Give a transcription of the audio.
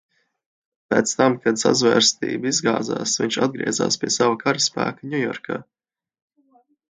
Pēc tam, kad sazvērestība izgāzās, viņš atgriezās pie sava karaspēka Ņujorkā.